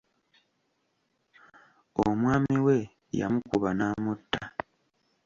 Omwami we yamukuba n'amutta.